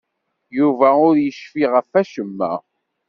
Yuba ur yecfi ɣef wacemma.